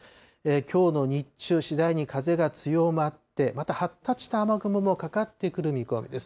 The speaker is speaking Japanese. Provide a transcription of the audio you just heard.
きょうの日中、次第に風が強まって、また発達した雨雲もかかってくる見込みです。